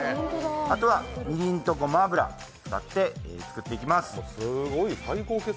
あとはみりんとごま油を使って作っていきます。